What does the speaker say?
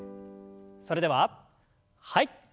それでははい。